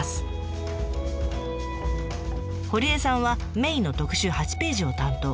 堀江さんはメインの特集８ページを担当。